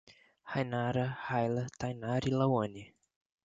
Rainara, Raila, Thaynara e Lauane